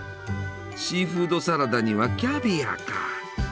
シーフードサラダにはキャビアか！